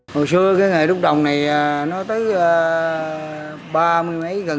hồi xưa cái nghề nút đồng này nó tới ba mươi mấy gần bốn mươi